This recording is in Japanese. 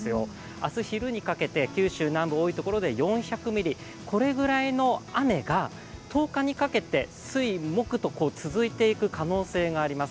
明日昼にかけて九州南部の多いところで４００ミリぐらいの雨が１０日にかけて水・木と続いていく可能性があります。